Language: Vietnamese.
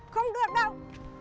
không được đâu